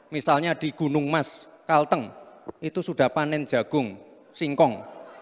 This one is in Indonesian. misalnya di gunung mas kalteng itu sudah panen jagung singkong